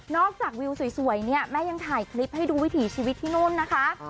จากวิวสวยเนี่ยแม่ยังถ่ายคลิปให้ดูวิถีชีวิตที่นู่นนะคะ